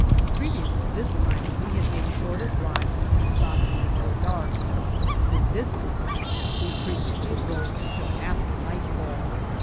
Previous to this time we had made shorter drives and stopped before dark. With this company, we frequently drove until after nightfall.